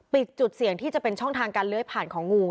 จุดเสี่ยงที่จะเป็นช่องทางการเลื้อยผ่านของงู